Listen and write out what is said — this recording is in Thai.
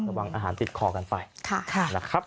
ระวังอาหารติดคอกันไปนะครับ